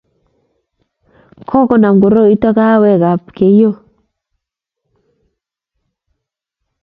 Kokonam koroito kahawek ab keiyo